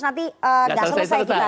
nanti nggak selesai juga